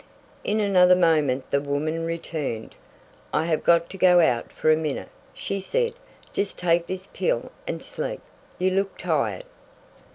In another moment the woman returned. "I have got to go out for a minute," she said; "just take this pill and sleep. You look tired."